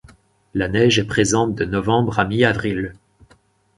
La neige est présente de novembre à mi-avril.